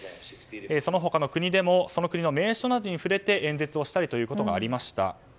その他の国でもその国の名所などに触れて演説をしたりということがありました。